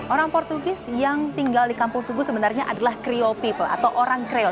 orang portugis yang tinggal di kampung tugu sebenarnya adalah creo people atau orang kreo